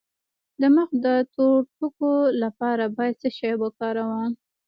د مخ د تور ټکو لپاره باید څه شی وکاروم؟